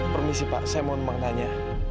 permisi pak saya mau nanya